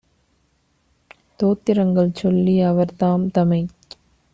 தோத்திரங்கள் சொல்லி அவர்தாம் - தமைச்